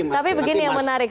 tapi begini yang menarik